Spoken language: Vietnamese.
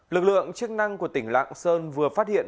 lực lượng chức năng của tỉnh lạng sơn vừa phát hiện